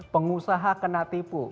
pengusaha kena tipu